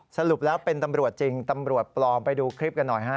สรุปแล้วเป็นตำรวจจริงตำรวจปลอมไปดูคลิปกันหน่อยฮะ